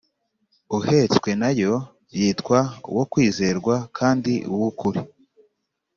Uhetswe na yo yitwa Uwo kwizerwa, kandi Uw’ukuri.